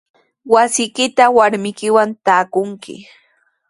Wasiykitraw warmiykiwan taakunki.